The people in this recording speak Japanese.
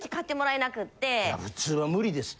普通は無理ですって。